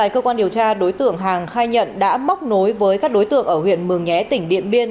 các đối tượng hàng khai nhận đã móc nối với các đối tượng ở huyện mường nhé tỉnh điện biên